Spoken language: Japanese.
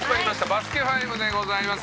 『バスケ☆ＦＩＶＥ』でございます。